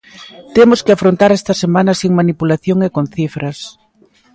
Temos que afrontar esta semana sen manipulación e con cifras.